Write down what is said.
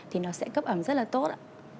thì nó sẽ cấp ẩm rất là tốt